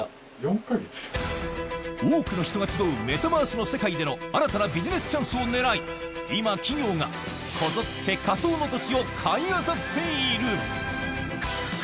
多くの人が集うメタバースの世界での新たなビジネスチャンスをねらい、今、企業がこぞって仮想の土地を買いあさっている。